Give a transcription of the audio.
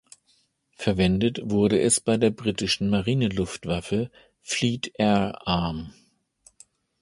Verwendet wurde es bei der britischen Marineluftwaffe Fleet Air Arm.